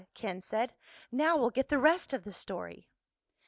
Ken said. "Now we'll get the rest of the story."